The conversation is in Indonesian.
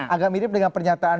agak mirip dengan pernyataan